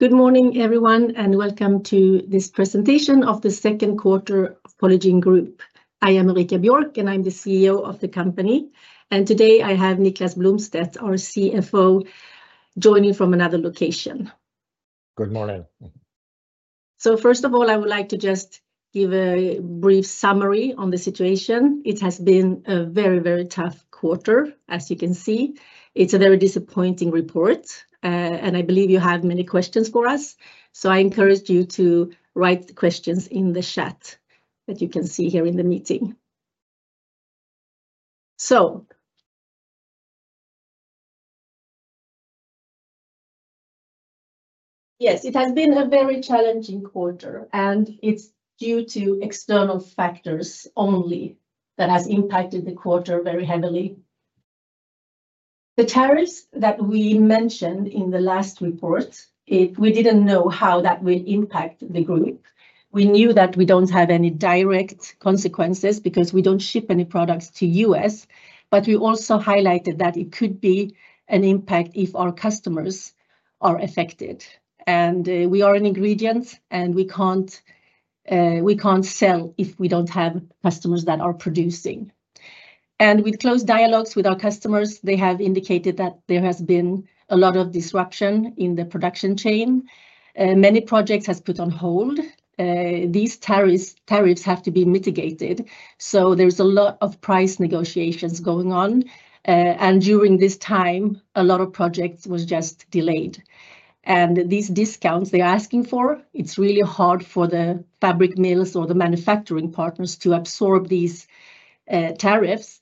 Good morning, everyone, and welcome to this presentation of the second quarter Polygiene Group. I am Ulrika Björk, and I'm the CEO of the company. Today I have Niklas Blomstedt, our CFO, joining from another location. Good morning. First of all, I would like to just give a brief summary on the situation. It has been a very, very tough quarter, as you can see. It's a very disappointing report, and I believe you have many questions for us. I encourage you to write questions in the chat that you can see here in the meeting. It has been a very challenging quarter, and it's due to external factors only that have impacted the quarter very heavily. The tariffs that we mentioned in the last report, we didn't know how that would impact the group. We knew that we don't have any direct consequences because we don't ship any products to the U.S. We also highlighted that it could be an impact if our customers are affected. We are an ingredient, and we can't sell if we don't have customers that are producing. We've closed dialogues with our customers. They have indicated that there has been a lot of disruption in the production chain. Many projects have been put on hold. These tariffs have to be mitigated. There is a lot of price negotiations going on. During this time, a lot of projects were just delayed. These discounts they're asking for, it's really hard for the fabric mills or the manufacturing partners to absorb these tariffs,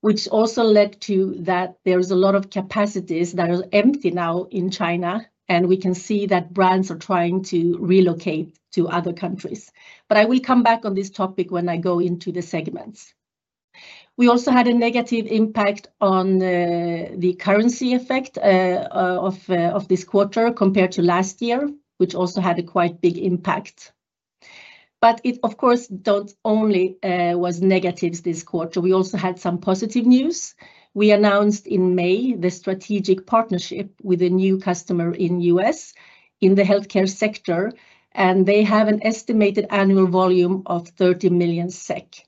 which also led to a lot of capacities that are empty now in China. We can see that brands are trying to relocate to other countries. I will come back on this topic when I go into the segments. We also had a negative impact on the currency effect this quarter compared to last year, which also had a quite big impact. It, of course, not only was negative this quarter. We also had some positive news. We announced in May the strategic partnership with a new customer in the U.S. in the healthcare sector, and they have an estimated annual volume of 30 million SEK.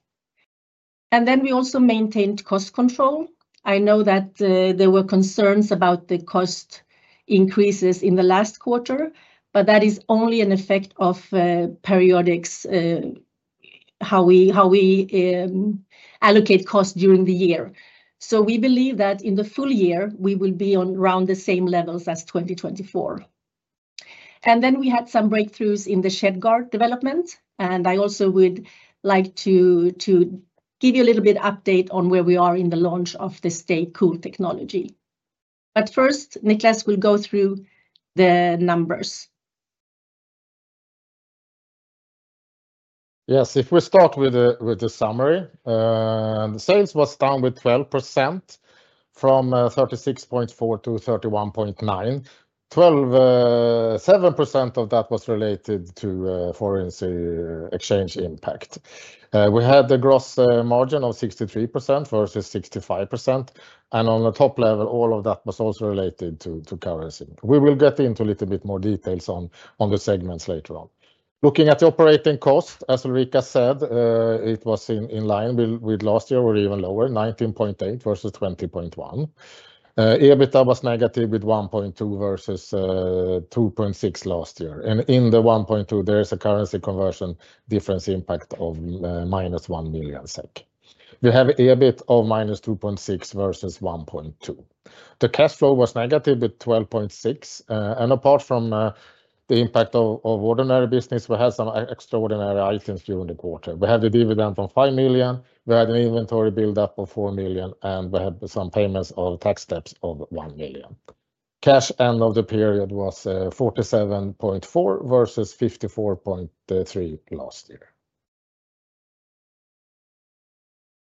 We also maintained cost control. I know that there were concerns about the cost increases in the last quarter, but that is only an effect of periodics, how we allocate costs during the year. We believe that in the full year, we will be around the same levels as 2024. We had some breakthroughs in the ShedGuard development. I also would like to give you a little bit of an update on where we are in the launch of the StayCool technology. First, Niklas will go through the numbers. Yes, if we start with the summary, the sales were down 12% from 36.4 million-31.9 million. 12% of that was related to foreign exchange impact. We had a gross margin of 63% versus 65%. On the top level, all of that was also related to currency. We will get into a little bit more details on the segments later on. Looking at the operating costs, as Ulrika said, it was in line with last year. We're even lower, 19.8 million versus 20.1 million. EBITDA was negative with 1.2 million versus 2.6 million last year. In the 1.2 million, there is a currency conversion difference impact of -1 million SEK. We have an EBITDA of -2.6 million versus 1.2 million. The cash flow was negative with 12.6 million. Apart from the impact of ordinary business, we had some extraordinary items during the quarter. We had a dividend of 5 million. We had an inventory buildup of 4 million, and we had some payments of tax debts of 1 million. The cash end of the period was 47.4 million versus 54.3 million last year.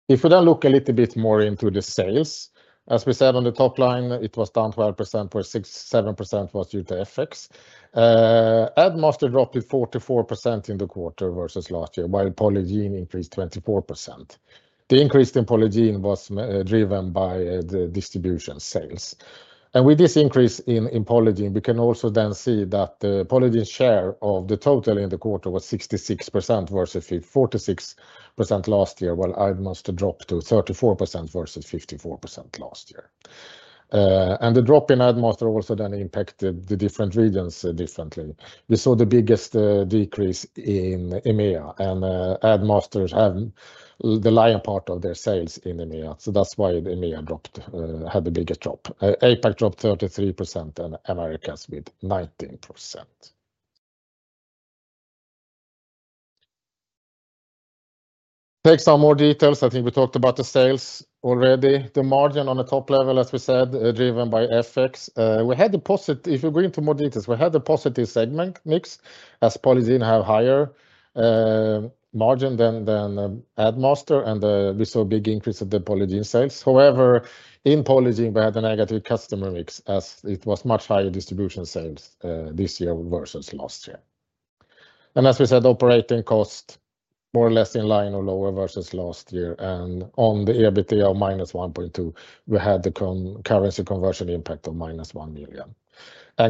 If we then look a little bit more into the sales, as we said on the top line, it was down 12% where 7% was due to FX. Addmaster dropped with 44% in the quarter versus last year, while Polygiene increased 24%. The increase in Polygiene was driven by the distribution sales. With this increase in Polygiene, we can also then see that the Polygiene share of the total in the quarter was 66% versus 46% last year, while Addmaster dropped to 34% versus 54% last year. The drop in Addmaster also then impacted the different regions differently. We saw the biggest decrease in EMEA, and Addmaster had the lion part of their sales in EMEA. That's why EMEA had the biggest drop. APAC dropped 33% and Americas with 19%. Next, some more details. I think we talked about the sales already. The margin on the top level, as we said, driven by FX. We had a positive, if we go into more details, we had a positive segment mix as Polygiene had a higher margin than Addmaster, and we saw a big increase of the Polygiene sales. However, in Polygiene we had a negative customer mix as it was much higher distribution sales this year versus last year. As we said, operating costs were more or less in line or lower versus last year. On the EBITDA of -1.2 million, we had the currency conversion impact of -1 million.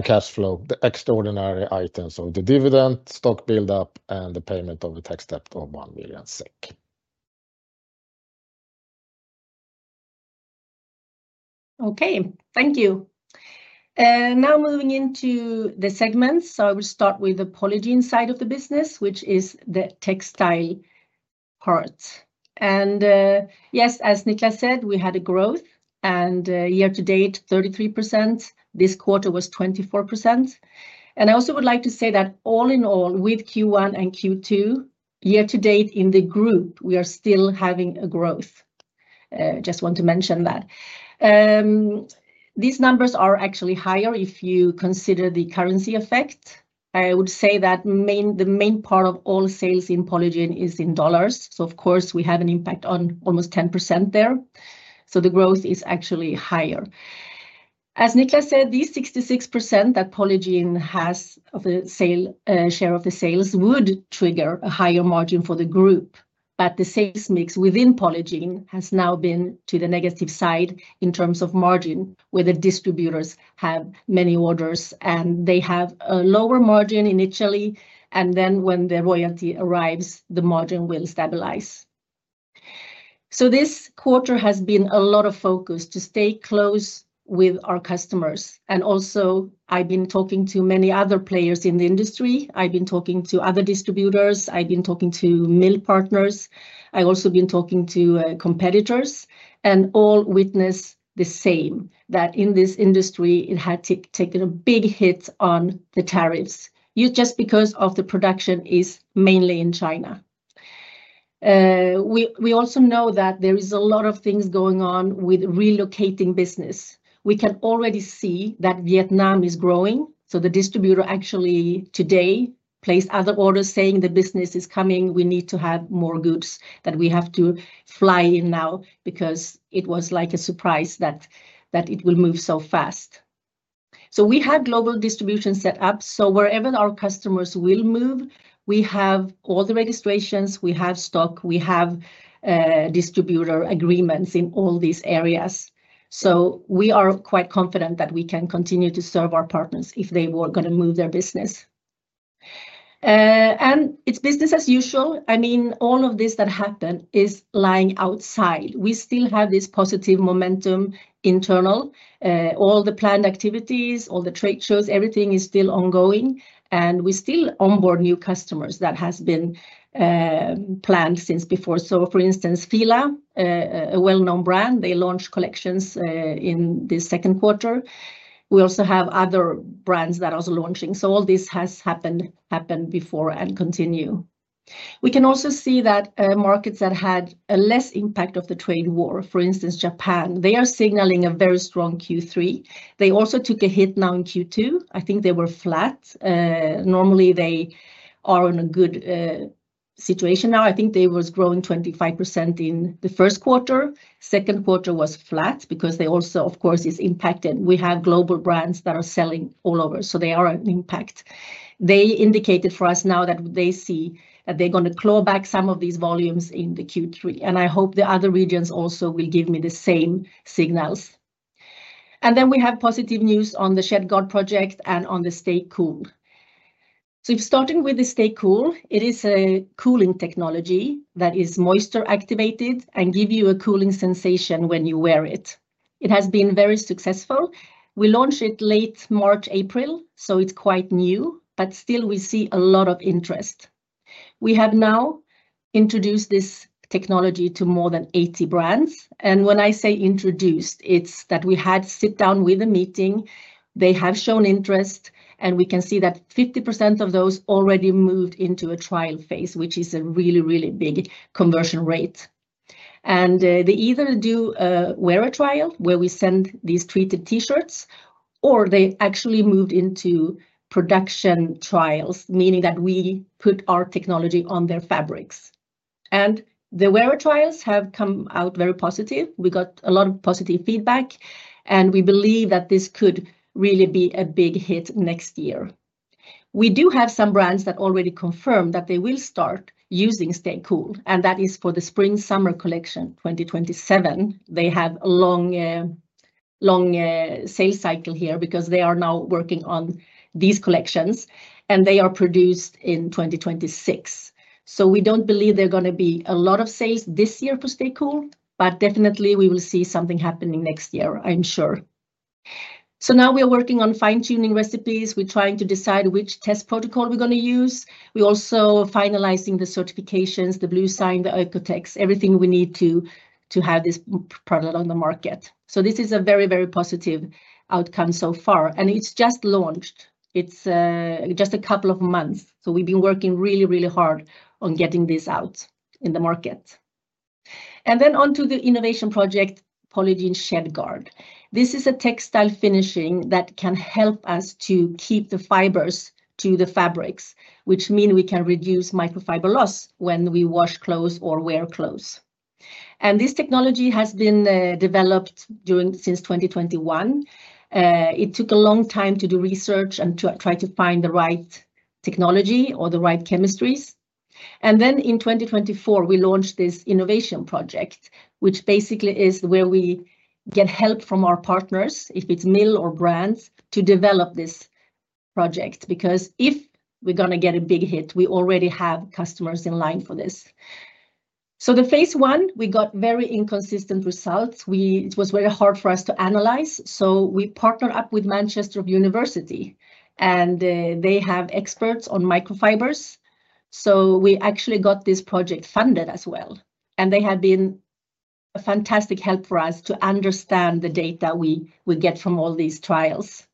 Cash flow, the extraordinary items of the dividend, stock buildup, and the payment of a tax debt of 1 million SEK. Okay, thank you. Now moving into the segments. I will start with the Polygiene side of the business, which is the textile part. Yes, as Niklas said, we had a growth, and year to date, 33%. This quarter was 24%. I also would like to say that all in all, with Q1 and Q2, year to date in the group, we are still having a growth. I just want to mention that. These numbers are actually higher if you consider the currency effect. I would say that the main part of all sales in Polygiene is in dollars. Of course, we have an impact on almost 10% there. The growth is actually higher. As Niklas said, these 66% that Polygiene has of the sale share of the sales would trigger a higher margin for the group. The sales mix within Polygiene has now been to the negative side in terms of margin, where the distributors have many orders, and they have a lower margin initially. When the royalty arrives, the margin will stabilize. This quarter has been a lot of focus to stay close with our customers. I have been talking to many other players in the industry. I have been talking to other distributors. I have been talking to mill partners. I have also been talking to competitors. All witness the same, that in this industry, it had taken a big hit on the tariffs, just because the production is mainly in China. We also know that there are a lot of things going on with relocating business. We can already see that Vietnam is growing. The distributor actually today placed other orders saying the business is coming. We need to have more goods that we have to fly in now because it was like a surprise that it will move so fast. We have global distribution set up. Wherever our customers will move, we have all the registrations, we have stock, we have distributor agreements in all these areas. We are quite confident that we can continue to serve our partners if they were going to move their business. It's business as usual. All of this that happened is lying outside. We still have this positive momentum internal. All the planned activities, all the trade shows, everything is still ongoing. We still onboard new customers that have been planned since before. For instance, FILA, a well-known brand, launched collections in this second quarter. We also have other brands that are also launching. All this has happened before and continues. We can also see that markets that had less impact of the trade war, for instance, Japan, are signaling a very strong Q3. They also took a hit now in Q2. I think they were flat. Normally, they are in a good situation now. I think they were growing 25% in the first quarter. The second quarter was flat because they also, of course, are impacted. We have global brands that are selling all over, so they are impacted. They indicated for us now that they see that they're going to claw back some of these volumes in Q3. I hope the other regions also will give me the same signals. We have positive news on the ShedGuard project and on StayCool. Starting with StayCool, it is a cooling technology that is moisture-activated and gives you a cooling sensation when you wear it. It has been very successful. We launched it late March-April, so it's quite new, but still we see a lot of interest. We have now introduced this technology to more than 80 brands. When I say introduced, it's that we had a sit-down with a meeting. They have shown interest, and we can see that 50% of those already moved into a trial phase, which is a really, really big conversion rate. They either do a wearer trial, where we send these treated T-shirts, or they actually moved into production trials, meaning that we put our technology on their fabrics. The wearer trials have come out very positive. We got a lot of positive feedback, and we believe that this could really be a big hit next year. We do have some brands that already confirmed that they will start using StayCool, and that is for the spring-summer collection 2027. They have a long sales cycle here because they are now working on these collections, and they are produced in 2026. We don't believe there are going to be a lot of sales this year for StayCool, but definitely we will see something happening next year, I'm sure. Now we are working on fine-tuning recipes. We're trying to decide which test protocol we're going to use. We're also finalizing the certifications, the Bluesign, the OEKO-TEX, everything we need to have this product on the market. This is a very, very positive outcome so far, and it's just launched. It's just a couple of months. We've been working really, really hard on getting this out in the market. Then onto the innovation project, Polygiene ShedGuard. This is a textile finishing that can help us to keep the fibers to the fabrics, which means we can reduce microfiber loss when we wash clothes or wear clothes. This technology has been developed since 2021. It took a long time to do research and try to find the right technology or the right chemistries. In 2024, we launched this innovation project, which basically is where we get help from our partners, if it's mill or brands, to develop this project. If we're going to get a big hit, we already have customers in line for this. The phase I, we got very inconsistent results. It was very hard for us to analyze. We partnered up with the Manchester of University and they have experts on microfibers. We actually got this project funded as well. They have been a fantastic help for us to understand the data we get from all these trials.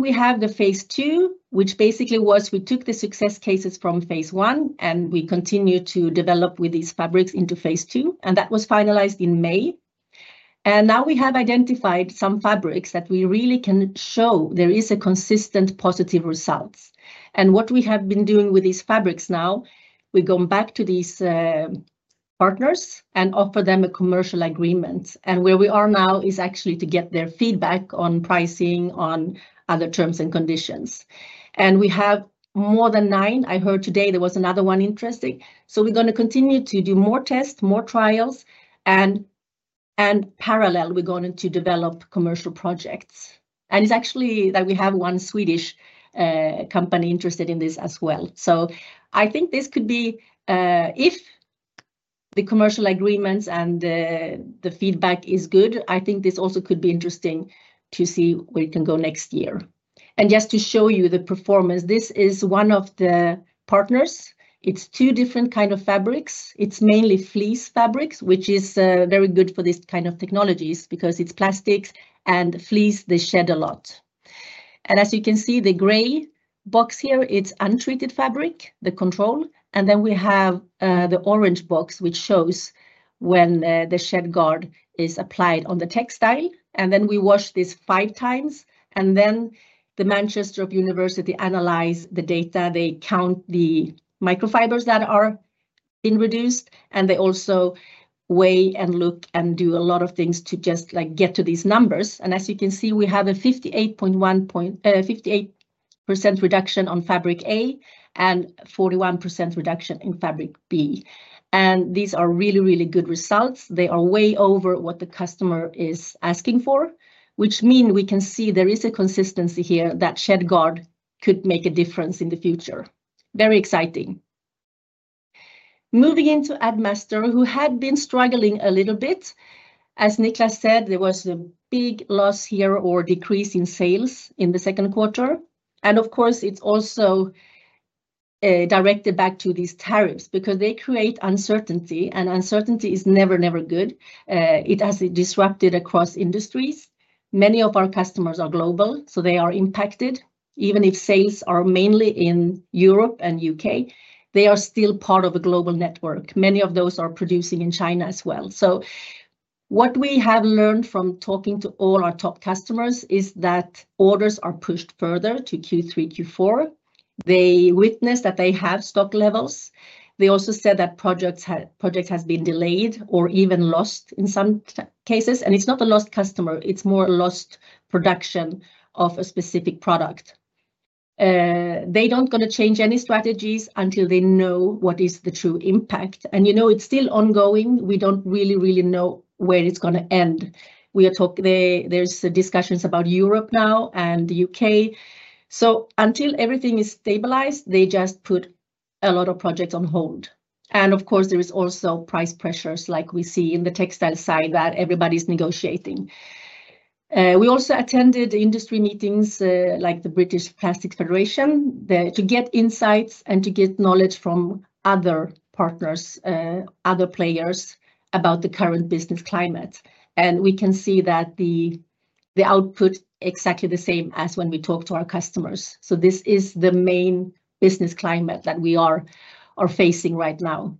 We have the phase II, which basically was we took the success cases from phase I, and we continued to develop with these fabrics into phase II. That was finalized in May. Now we have identified some fabrics that we really can show there are consistent positive results. What we have been doing with these fabrics now, we're going back to these partners and offering them a commercial agreement. Where we are now is actually to get their feedback on pricing, on other terms and conditions. We have more than nine. I heard today there was another one interesting. We're going to continue to do more tests, more trials, and in parallel, we're going to develop commercial projects. It is actually that we have one Swedish company interested in this as well. I think this could be, if the commercial agreements and the feedback are good, I think this also could be interesting to see where it can go next year. Just to show you the performance, this is one of the partners. It's two different kinds of fabrics. It's mainly fleece fabrics, which is very good for these kinds of technologies because it's plastic and fleece. They shed a lot. As you can see, the gray box here, it's untreated fabric, the control. Then we have the orange box, which shows when the ShedGuard is applied on the textile. We wash this 5x. The Manchester of University analyzes the data. They count the microfibers that are being reduced, and they also weigh and look and do a lot of things to just get to these numbers. As you can see, we have a 58.1% reduction on fabric A and a 41% reduction in fabric B. These are really, really good results. They are way over what the customer is asking for, which means we can see there is a consistency here that ShedGuard could make a difference in the future. Very exciting. Moving into Addmaster, who had been struggling a little bit. As Niklas said, there was a big loss here or decrease in sales in the second quarter. It is also directed back to these tariffs because they create uncertainty, and uncertainty is never, never good. It has disrupted across industries. Many of our customers are global, so they are impacted. Even if sales are mainly in Europe and U.K., they are still part of a global network. Many of those are producing in China as well. What we have learned from talking to all our top customers is that orders are pushed further to Q3, Q4. They witness that they have stock levels. They also said that projects have been delayed or even lost in some cases. It is not a lost customer. It is more a lost production of a specific product. They do not want to change any strategies until they know what is the true impact. It is still ongoing. We do not really, really know where it is going to end. We are talking, there are discussions about Europe now and the U.K. Until everything is stabilized, they just put a lot of projects on hold. There are also price pressures like we see in the textile side that everybody is negotiating. We also attended industry meetings like the British Plastics Federation to get insights and to get knowledge from other partners, other players about the current business climate. We can see that the output is exactly the same as when we talk to our customers. This is the main business climate that we are facing right now.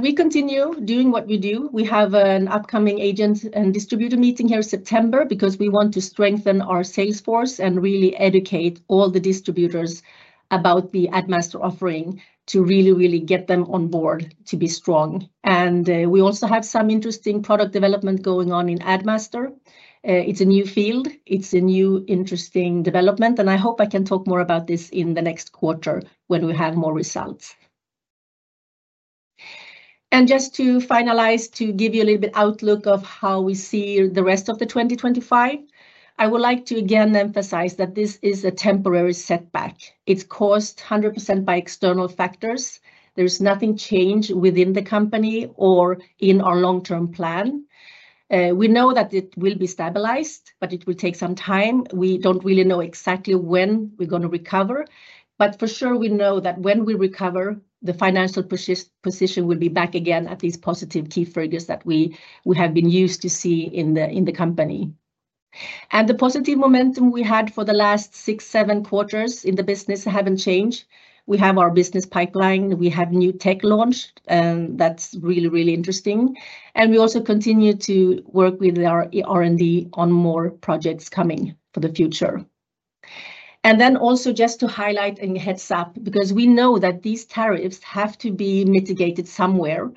We continue doing what we do. We have an upcoming agent and distributor meeting here in September because we want to strengthen our sales force and really educate all the distributors about the Addmaster offering to really, really get them on board to be strong. We also have some interesting product development going on in Addmaster. It is a new field. It is a new interesting development. I hope I can talk more about this in the next quarter when we have more results. Just to finalize, to give you a little bit of outlook of how we see the rest of 2025, I would like to again emphasize that this is a temporary setback. It's caused 100% by external factors. There's nothing changed within the company or in our long-term plan. We know that it will be stabilized, but it will take some time. We don't really know exactly when we're going to recover. For sure, we know that when we recover, the financial position will be back again at these positive key figures that we have been used to see in the company. The positive momentum we had for the last six, seven quarters in the business hasn't changed. We have our business pipeline. We have new tech launched, and that's really, really interesting. We also continue to work with our R&D on more projects coming for the future. Also, just to highlight and heads up, because we know that these tariffs have to be mitigated somewhere.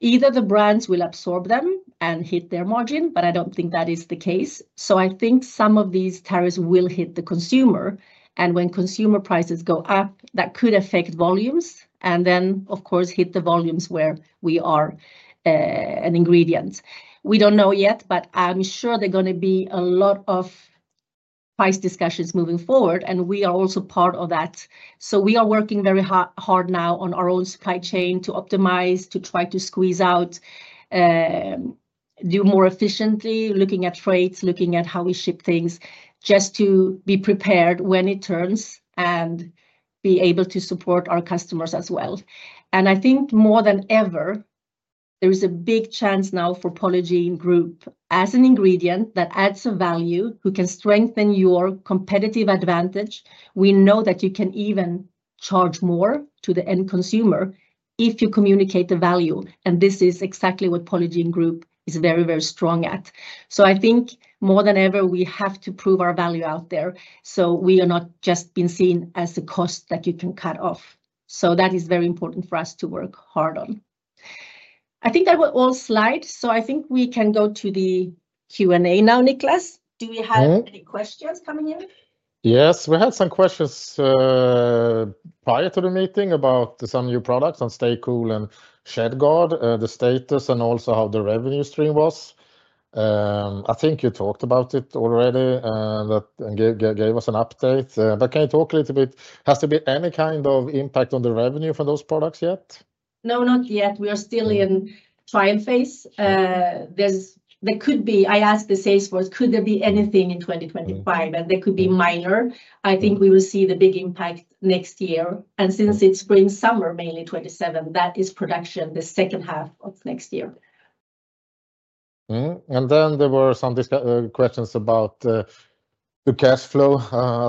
Either the brands will absorb them and hit their margin, but I don't think that is the case. I think some of these tariffs will hit the consumer. When consumer prices go up, that could affect volumes and then, of course, hit the volumes where we are an ingredient. We don't know yet, but I'm sure there are going to be a lot of price discussions moving forward, and we are also part of that. We are working very hard now on our own supply chain to optimize, to try to squeeze out, do more efficiently, looking at freights, looking at how we ship things, just to be prepared when it turns and be able to support our customers as well. I think more than ever, there is a big chance now for Polygiene Group as an ingredient that adds a value who can strengthen your competitive advantage. We know that you can even charge more to the end consumer if you communicate the value. This is exactly what Polygiene Group is very, very strong at. I think more than ever, we have to prove our value out there so we are not just being seen as a cost that you can cut off. That is very important for us to work hard on. I think that was all slides. I think we can go to the Q&A now, Niklas. Do we have any questions coming in? Yes, we had some questions prior to the meeting about some new products on StayCool and ShedGuard, the status, and also how the revenue stream was. I think you talked about it already and gave us an update. Can you talk a little bit? Has there been any kind of impact on the revenue for those products yet? No, not yet. We are still in the trial phase. There could be, I asked the sales force, could there be anything in 2025 that could be minor? I think we will see the big impact next year. Since it's spring-summer, mainly 2027, that is production, the second half of next year. There were some questions about the cash flow.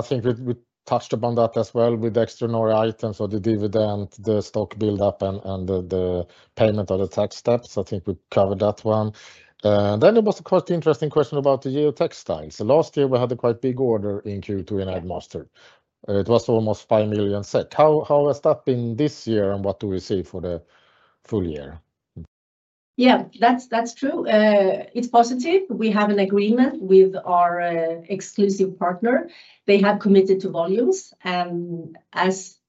I think we touched upon that as well with the extraordinary items of the dividend payments, the inventory buildup, and the payment of the tax settlements. I think we covered that one. There was a quite interesting question about the year textiles. Last year, we had a quite big order in Q2 in Addmaster. It was almost 5 million. How has that been this year and what do we see for the full year? Yeah, that's true. It's positive. We have an agreement with our exclusive partner. They have committed to volumes.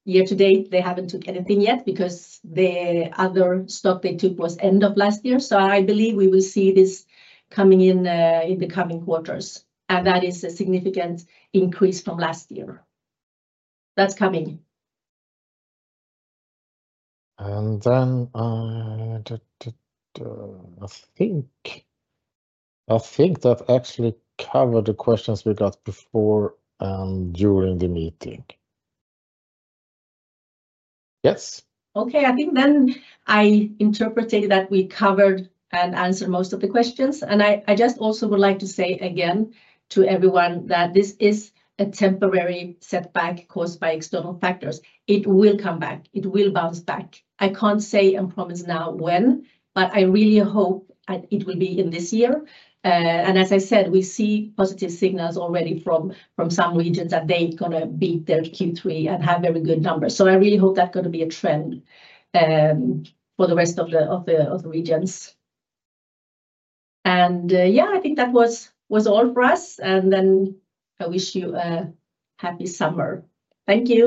Year to date, they haven't took anything yet because the other stock they took was end of last year. I believe we will see this coming in the coming quarters. That is a significant increase from last year. That's coming. I think that actually covered the questions we got before and during the meeting. Yes. Okay, I think then I interpreted that we covered and answered most of the questions. I just also would like to say again to everyone that this is a temporary setback caused by external factors. It will come back. It will bounce back. I can't say and promise now when, but I really hope it will be in this year. As I said, we see positive signals already from some regions that they're going to beat their Q3 and have very good numbers. I really hope that's going to be a trend for the rest of the regions. I think that was all for us. I wish you a happy summer. Thank you.